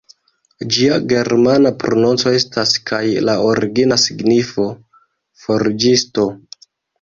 Ĝia germana prononco estas kaj la origina signifo "forĝisto".